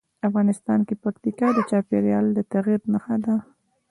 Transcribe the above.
افغانستان کې پکتیکا د چاپېریال د تغیر نښه ده.